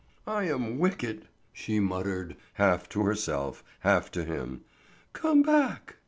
"I am wicked," she muttered, half to herself, half to him; "come back!"